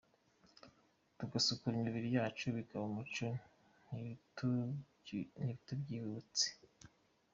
Tugasukura imibiri yacu, bikaba umuco ntitubyibutswe.